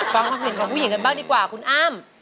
ฟังความเห็นของผู้หญิงกันบ้างดีกว่าคุณอ้ำ